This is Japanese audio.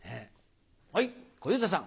はい小遊三さん。